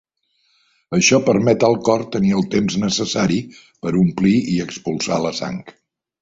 Això permet al cor tenir el temps necessari per omplir i expulsar la sang.